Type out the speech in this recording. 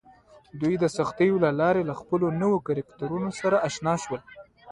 دوی د سختیو له لارې له خپلو نویو کرکټرونو سره اشنا شول